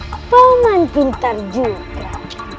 papa man pintar juga